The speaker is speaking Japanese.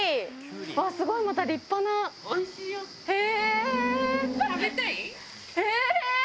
わっ、すごい、また立派な。おいしいよ。へー。